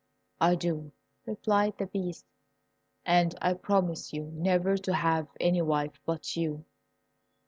"I do," replied the Beast, "and I promise you never to have any wife but you."